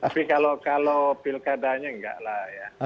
tapi kalau pilkadanya enggak lah ya